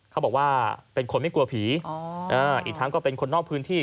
เขาบอกว่าเป็นคนไม่กลัวผีอีกทั้งก็เป็นคนนอกพื้นที่